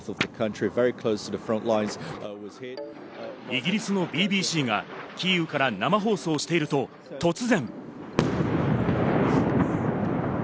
イギリスのＢＢＣがキーウから生放送していると、突然。